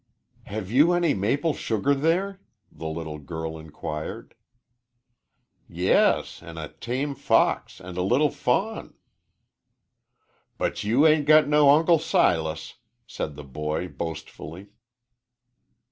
"Have you any maple sugar there?" the little girl inquired. "Yes, and a tame fox and a little fawn." "But you'ain't got no Uncle Silas," said the boy, boastfully.